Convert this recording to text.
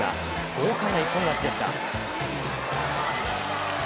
豪快な一本勝ちでした。